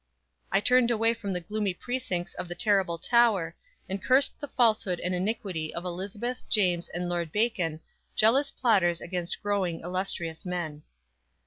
I turned away from the gloomy precincts of the terrible Tower, and cursed the falsehood and iniquity of Elizabeth, James and Lord Bacon, jealous plotters against growing, illustrious men.